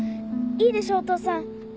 いいでしょお父さん？